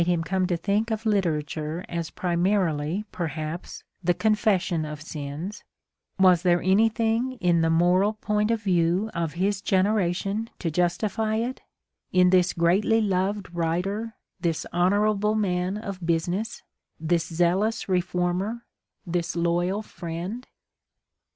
him come to think of literature as primarily, perhaps, the confession of sins — was there anything in the moral point of view of his generation to justify it, in this greatly loved writer, this honorable man of business, this zealous reformer, this loyal friend?